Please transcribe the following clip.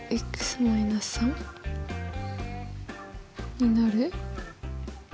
になる？